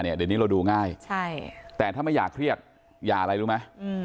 เดี๋ยวนี้เราดูง่ายแต่ถ้าไม่อยากเครียดอย่าอะไรรู้ไหม